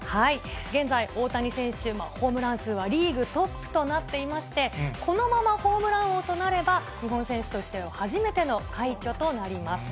現在、大谷選手、ホームラン数はリーグトップとなっていまして、このままホームラン王となれば、日本選手としては初めての快挙となります。